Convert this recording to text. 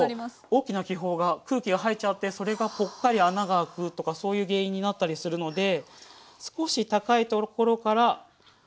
大きな気泡が空気が入っちゃってそれがポッカリ穴があくとかそういう原因になったりするので少し高いところから。